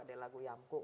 ada lagu yangko